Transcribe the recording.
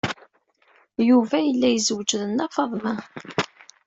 Yuba yella yezweǧ d Nna Faḍma.